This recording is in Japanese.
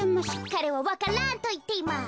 かれは「ワカラン」といっています。